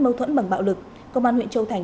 mâu thuẫn bằng bạo lực công an huyện châu thành